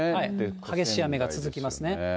激しい雨が続きますね。